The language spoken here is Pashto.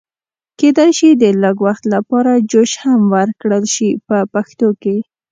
کېدای شي د لږ وخت لپاره جوش هم ورکړل شي په پښتو کې.